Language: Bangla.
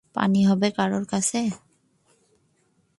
পানি হবে কারো কাছে?